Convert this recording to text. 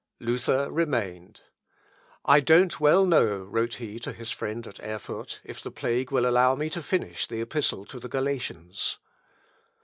Luther remained. "I don't well know," wrote he to his friend at Erfurt, "if the plague will allow me to finish the Epistle to the Galatians.